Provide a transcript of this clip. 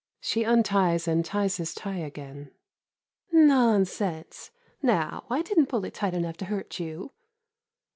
[She unties and ties his tie again.] Nonsense ! Now, I did n't pull it tight enough to hurt you.